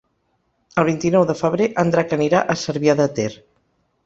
El vint-i-nou de febrer en Drac anirà a Cervià de Ter.